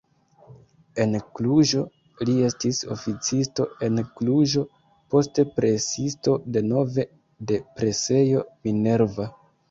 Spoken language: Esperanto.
En Kluĵo li estis oficisto en Kluĵo, poste presisto denove de presejo Minerva.